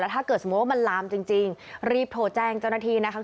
ถ้าเกิดสมมุติว่ามันลามจริงรีบโทรแจ้งเจ้าหน้าที่นะคะ